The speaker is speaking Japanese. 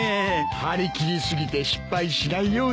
張り切りすぎて失敗しないようにな。